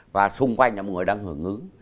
và xung quanh là một người đang hưởng ứng